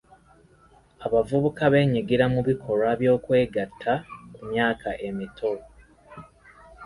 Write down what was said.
Abavubuka beenyigira mu bikolwa by'okwegatta ku myaka emito.